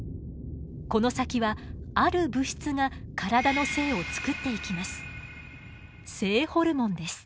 この先はある物質が体の性を作っていきます。